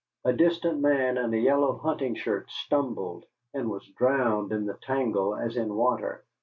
A distant man in a yellow hunting shirt stumbled, and was drowned in the tangle as in water.